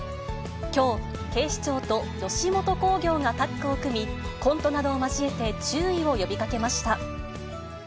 きょう、警視庁と吉本興業がタッグを組み、コントなどを交えて注意を呼びかけました。